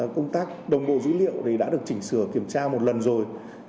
công tác đồng bộ dữ liệu đã được chỉnh sửa kiểm tra một lần rồi